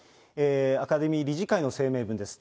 アカデミー理事会の声明文です。